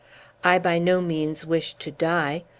I by no means wish to die.